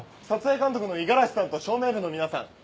撮影監督の五十嵐さんと照明部の皆さん。